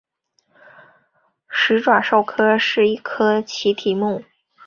始爪兽科是一科奇蹄目。